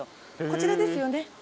こちらですよね。